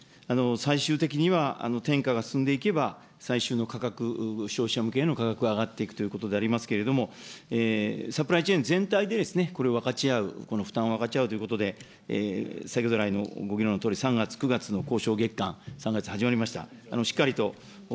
大変重要なご指摘でありまして、最終的には転嫁が進んでいけば、最終の価格、消費者向けへの価格は上がっていくということでありますけれども、サプライチェーン全体でこれを分かち合う、この負担を分かち合うということで、先ほど来のご議論のとおり、３月、９月の交渉月間、３月始まりました。